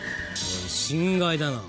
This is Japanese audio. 心外だな。